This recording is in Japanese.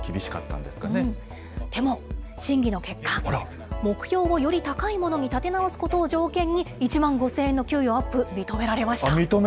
でも、審議の結果、目標をより高いものに立て直すことを条件に、１万５０００円の給与アップ、認められました。